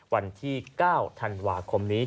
วันที่๙ธันวาคมนี้